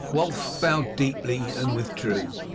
Wulf bowed deeply and withdrew.